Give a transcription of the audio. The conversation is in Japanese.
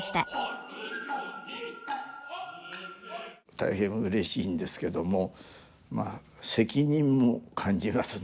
大変うれしいんですけどもまあ責任も感じますね